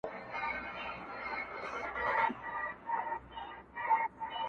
• په پېړیو مخکي مړه دي نه هېرېږي لا نامدار دي..